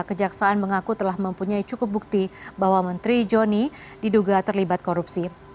kejaksaan mengaku telah mempunyai cukup bukti bahwa menteri joni diduga terlibat korupsi